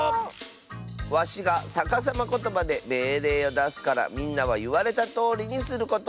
わしがさかさまことばでめいれいをだすからみんなはいわれたとおりにすること！